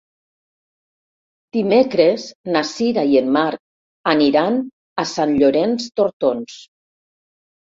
Dimecres na Sira i en Marc aniran a Sant Llorenç d'Hortons.